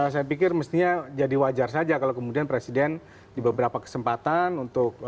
saya pikir mestinya jadi wajar saja kalau kemudian presiden di beberapa kesempatan untuk